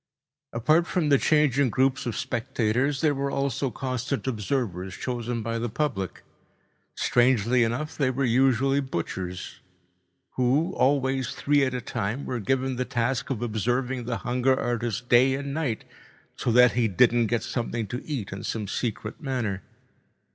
Apart from the changing groups of spectators there were also constant observers chosen by the public—strangely enough they were usually butchers—who, always three at a time, were given the task of observing the hunger artist day and night, so that he didn't get something to eat in some secret manner.